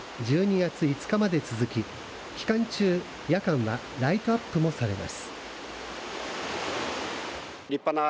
使った漁は１２月５日まで続き期間中、夜間はライトアップもされます。